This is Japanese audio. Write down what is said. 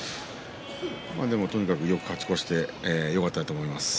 でも、とにかく、よく勝ち越してよかったと思います。